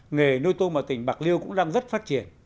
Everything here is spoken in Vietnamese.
nghề nuôi tôm ở tỉnh bạc liêu cũng đang rất phát triển